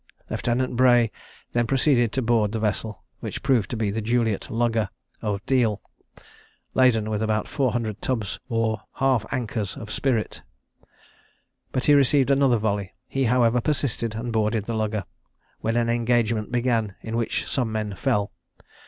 Lieutenant Bray then proceeded to board the vessel, which proved to be the Juliet lugger, of Deal, (laden with about four hundred tubs or half ankers of spirits,) but he received another volley: he however persisted, and boarded the lugger, when an engagement began, in which some men fell.